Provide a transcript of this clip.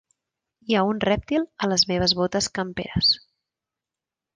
Hi ha un rèptil a les meves botes camperes.